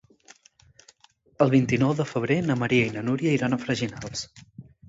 El vint-i-nou de febrer na Maria i na Núria iran a Freginals.